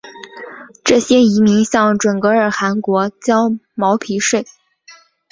这些遗民向准噶尔汗国交毛皮税。